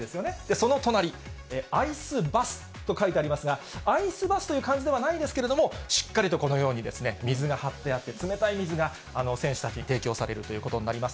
その隣、アイスバスと書いてありますが、アイスバスという感じではないんですけれども、しっかりとこのように水が張ってあって、冷たい水が選手たちに提供されるということになります。